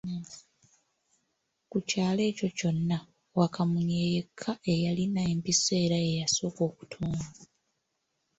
Ku kyalo ekyo kyonna, Wakamunye ye yekka eyalina empiso era ye yasooka okutunga.